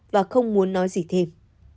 và không muốn nói gì thêm